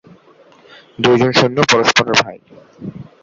দুইজন সৈন্য পরস্পরের ভাই।